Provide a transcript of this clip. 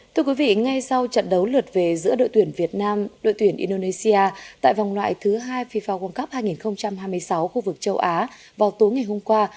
thưa quý vị ngay sau trận đấu lượt về giữa đội tuyển việt nam đội tuyển indonesia tại vòng loại thứ hai fifa world cup hai nghìn hai mươi sáu khu vực châu á vào tối ngày hôm qua